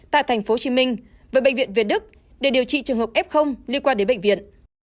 tại tp hcm với bệnh viện việt đức để điều trị trường hợp f liên quan đến bệnh viện